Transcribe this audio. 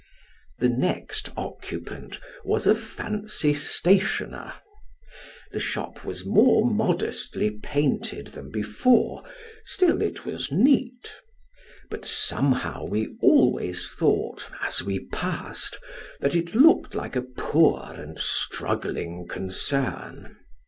The next occupant was a fancy stationer. The shop was more modestly painted than before, still it was neat; but somehow we always thought, as we passed, that it looked like a poor and struggling concern.